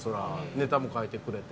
ネタも書いてくれて。